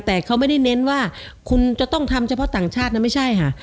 แต่เขาไม่ได้เน้นว่าคุณจะต้องทำเฉพาะต่างชาตินะไม่ใช่ค่ะ